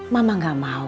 mama gak mau